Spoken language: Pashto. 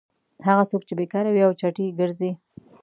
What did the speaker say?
هغه څوک چې بېکاره وي او چټي ګرځي.